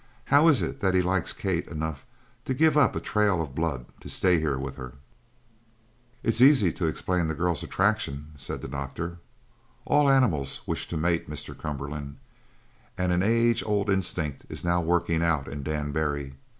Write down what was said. How is it that he likes Kate, enough to give up a trail of blood to stay here with her?" "It is easy to explain the girl's attraction," said the doctor. "All animals wish to mate, Mr. Cumberland, and an age old instinct is now working out in Dan Barry.